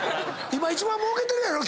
今一番もうけてるやろ